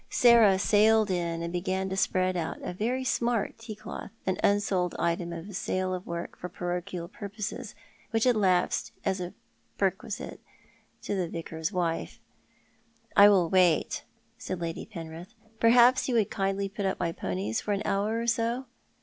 Sarah sailed in, and began to spread a very smart tea cloth— an unsokl item in a sale of work for parochial purposes, which had lapsed as a perquisite to the Vicar's wife. "I will wait," said Lady Penrith. "Perhaps you would kindly put up my ponies for an hour or so."